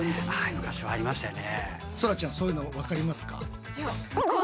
昔はありましたよね。